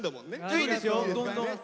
いいんですよどんどん。